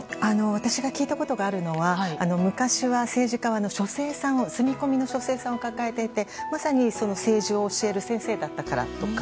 私が聞いたことがあるのは昔は政治家は住み込みの書生さんを抱えていて、まさに政治を教える先生だったからとか。